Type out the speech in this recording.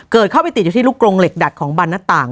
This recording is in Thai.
เข้าไปติดอยู่ที่ลูกกรงเหล็กดัดของบันหน้าต่าง